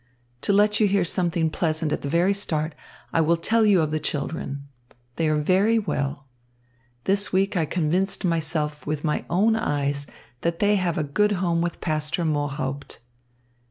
To let you hear something pleasant at the very start, I will tell you of the children. They are very well. This week I convinced myself with my own eyes that they have a good home with Pastor Mohaupt.